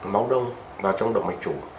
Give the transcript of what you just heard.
máu đông vào trong động vệ chủ